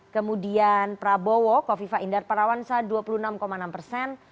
kemudian prabowo kofifa indar parawansa dua puluh enam enam persen